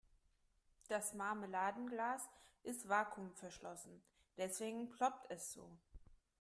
Das Marmeladenglas ist vakuumverschlossen, deswegen ploppt es so.